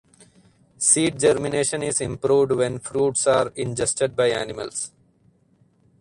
Seed germination is improved when fruits are ingested by animals.